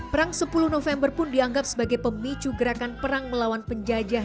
perang sepuluh november pun dianggap sebagai pemicu gerakan perang melawan penjajah